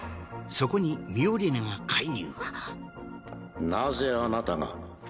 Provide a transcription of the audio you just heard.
そこにミオリネが介入あっ。